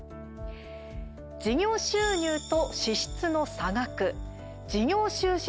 事業収入と支出の差額事業収支